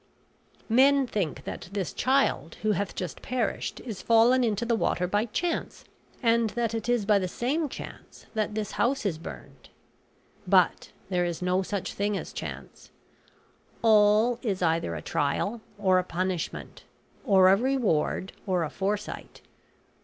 Men think that this child who hath just perished is fallen into the water by chance; and that it is by the same chance that this house is burned; but there is no such thing as chance; all is either a trial, or a punishment, or a reward, or a foresight.